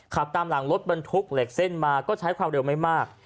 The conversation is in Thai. ขับตามหลังรถบรรทุกเหล็กเส้นมาก็ใช้ความเร็วไม่มาก